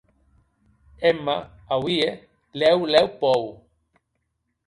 Emma auie lèu lèu pòur.